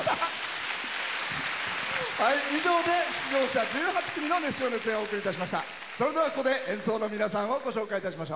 以上で出場者１８組の熱唱・熱演お送りいたしました。